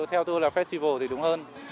theo tôi là festival thì đúng hơn